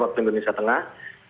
waktu indonesia tengah